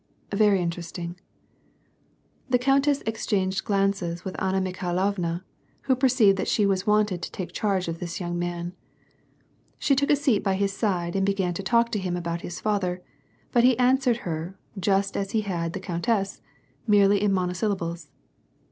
" Very interesting." The countess exchanged glances with Anna Mikhailovua, who perceived that she was wanted to take charge of this young man. She took a seat by his side and began to talk to him about his father, but he answered her, just as he had the countess, merely in monosyllables.